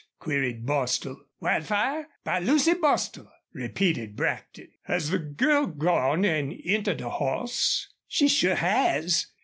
queried Bostil. "Wildfire, by Lucy Bostil," repeated Brackton. "Has the girl gone an' entered a hoss?" "She sure has.